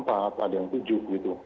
ada yang tujuh gitu